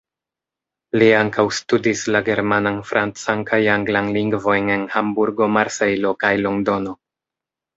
Li ankaŭ studis la germanan, francan kaj anglan lingvojn en Hamburgo, Marsejlo kaj Londono.